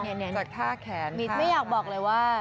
ใช่จากท่าแขนไม่อยากบอกเลยว่า